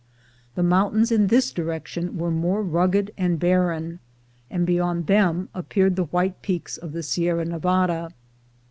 The mountains in this direction were more rugged and barren, and beyond them appeared the white peaks of the Sierra Nevada.